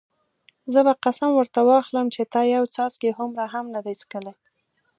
زه به قسم ورته واخلم چې تا یو څاڅکی هومره هم نه دی څښلی.